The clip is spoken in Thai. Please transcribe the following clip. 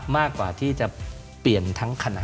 มากกว่าที่จะเปลี่ยนทั้งขณะ